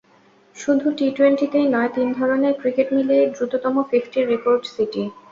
শুধু টি-টোয়েন্টিতেই নয়, তিন ধরনের ক্রিকেট মিলিয়েই দ্রুততম ফিফটির রেকর্ড সেটি।